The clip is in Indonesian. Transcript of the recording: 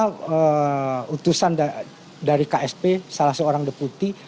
khususan dari ksp salah seorang deputi